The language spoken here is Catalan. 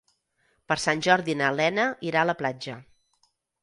Per Sant Jordi na Lena irà a la platja.